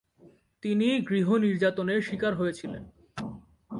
তিনি গৃহ নির্যাতনের শিকার হয়েছিলেন।